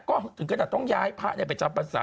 ก็ถึงขนาดต้องย้ายพระไปจำพรรษา